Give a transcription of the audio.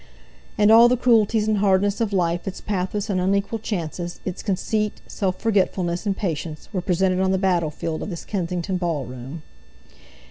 And all the cruelties and hardness of life, its pathos and unequal chances, its conceit, self forgetfulness, and patience, were presented on the battle field of this Kensington ball room.